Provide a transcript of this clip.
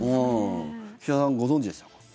岸田さん、ご存じでしたか？